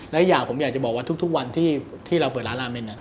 และอีกอย่างผมอยากจะบอกว่าทุกวันที่เราเปิดร้านลาเมน